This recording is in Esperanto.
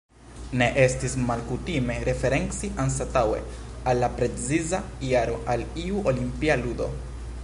Ne estis malkutime referenci, anstataŭe al la preciza jaro, al iu Olimpia ludo.